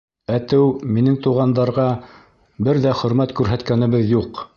Әтеү, минең туғандарға бер ҙә хөрмәт күрһәткәнебеҙ юҡ.